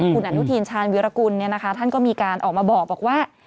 คุณอนุทีนชาญวิรกุลเนี่ยนะคะท่านก็มีการออกมาบอกว่า